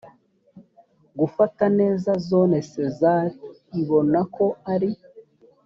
gufata neza zone sezar ibona ko ari